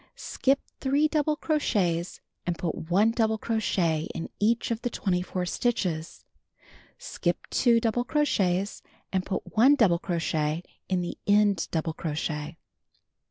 Skip 3 double crochets and put 1 double crochet in each of the 24 stitches. Skip 2 double crochets and put 1 double crochet in the end double crochet.